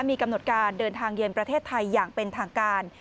มีกำหนดการเดินทางเยือนประเทศไทยอย่างเป็นทางการ